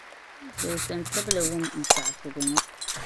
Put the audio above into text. Gbilisim tibili wum n saɣisigu ŋo.